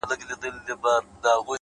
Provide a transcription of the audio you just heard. • نه دعا او نه درودونو اثر وکړ ,